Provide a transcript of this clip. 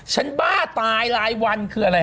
ฉันบ้าตายรายวันคืออะไรฮะ